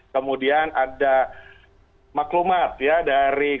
kemudian ada maklumat ya dari